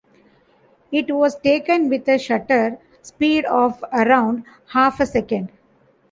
It was taken with a shutter speed of around half a second.